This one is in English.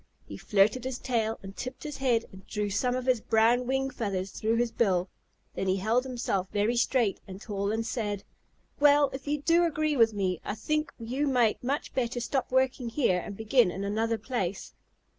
He flirted his tail and tipped his head and drew some of his brown wing feathers through his bill. Then he held himself very straight and tall, and said, "Well, if you do agree with me, I think you might much better stop working here and begin in another place."